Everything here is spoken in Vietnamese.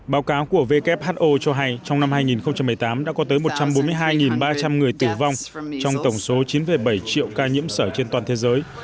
báo cáo của who cho hay trong năm hai nghìn một mươi tám đã có tới một trăm bốn mươi hai ba trăm linh người tử vong trong tổng số chín bảy triệu ca nhiễm sởi trên toàn thế giới